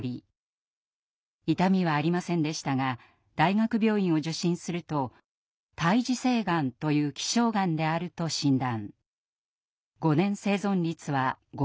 痛みはありませんでしたが大学病院を受診すると胎児性がんという希少がんであると診断。